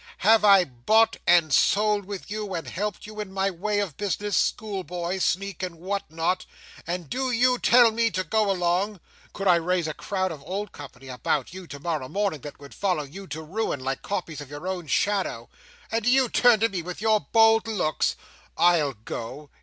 Have I bought and sold with you, and helped you in my way of business, schoolboy, sneak, and what not, and do you tell me to go along? Could I raise a crowd of old company about you to morrow morning, that would follow you to ruin like copies of your own shadow, and do you turn on me with your bold looks! I'll go.